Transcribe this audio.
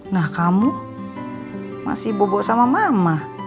nah kamu masih bubuk sama mama